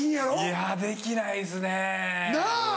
いやできないですね。なぁ。